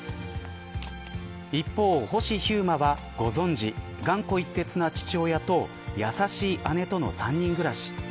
一方、星飛雄馬は、ご存じ頑固一徹な父親とやさしい姉との３人暮らし。